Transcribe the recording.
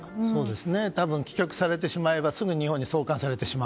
多分、棄却されてしまえばすぐ日本に送還されてしまう。